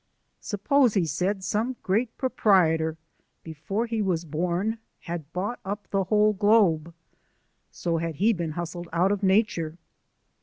Suppose, he said, some great proprietor, before he was born, had bought up the whole globe. So had he been hustled out of nature.